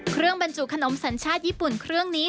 บรรจุขนมสัญชาติญี่ปุ่นเครื่องนี้